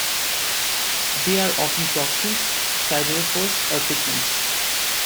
They are often toxins, siderophores, or pigments.